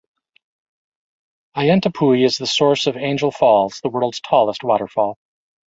Auyantepui is the source of Angel Falls, the world's tallest waterfall.